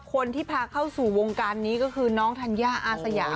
คนที่พาเข้าสู่วงการนี้ก็คือน้องธัญญาอาสยา